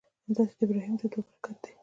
همداسې د ابراهیم د دعا برکت دی.